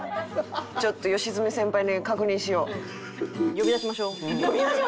ちょっと良純先輩に確認しよう。